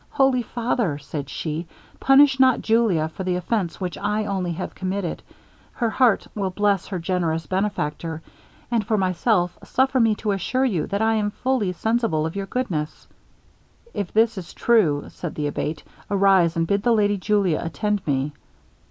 'Holy father,' said she, 'punish not Julia for the offence which I only have committed; her heart will bless her generous protector, and for myself, suffer me to assure you that I am fully sensible of your goodness.' 'If this is true,' said the Abate, 'arise, and bid the lady Julia attend me.'